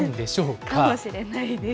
かもしれないです。